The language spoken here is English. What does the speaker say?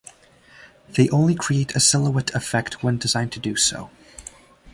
They only create a 'silhouette effect' when designed to do so.